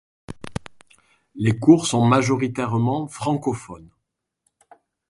Les cours sont majoritairement francophones.